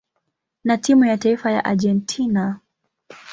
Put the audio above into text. na timu ya taifa ya Argentina.